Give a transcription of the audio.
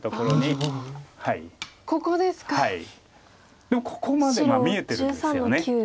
でもここまで見えてるんですよね。